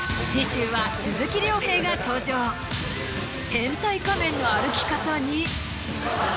変態仮面の歩き方に。